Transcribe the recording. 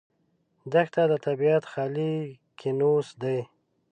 دښته د طبیعت خالي کینوس دی.